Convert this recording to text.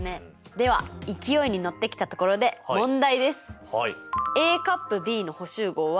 では勢いに乗ってきたところで問題です。